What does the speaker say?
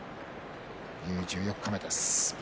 十四日目です。